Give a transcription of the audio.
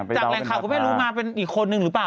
แต่จากแหล่งข่าวคุณแม่รู้มาเป็นอีกคนหนึ่งหรือเปล่า